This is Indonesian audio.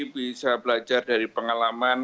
bisa belajar dari pengalaman